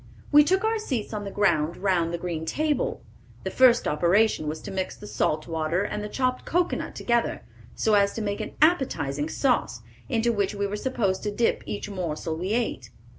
We took our seats on the ground round the green table. The first operation was to mix the salt water and the chopped cocoanut together, so as to make an appetizing sauce, into which we were supposed to dip each morsel we ate.